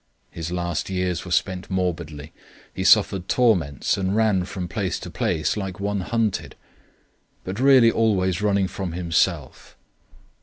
His last years were spent morbidly; he suffered torments and ran from place to place like one hunted; but really always running from himself.